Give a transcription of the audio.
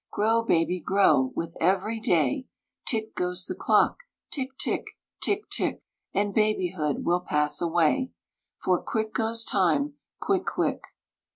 Grow, baby, grow, with every day Tick goes the clock, tick tick, tick tick; And babyhood will pass away, For quick goes time, quick, quick!